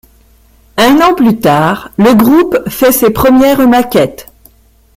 Un an plus tard, le groupe fait ses premières maquettes.